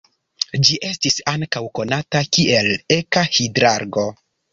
Ĝi estis ankaŭ konata kiel eka-hidrargo.